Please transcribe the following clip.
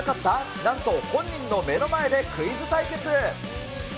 なんと本人の目の前でクイズ対決。